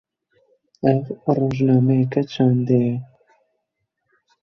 Ev, rojnameyeke çandê ye.